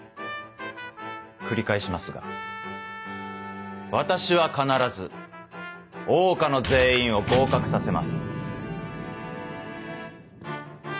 繰り返しますが私は必ず桜花の全員を合格させます。